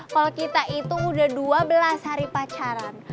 kalau kita itu udah dua belas hari pacaran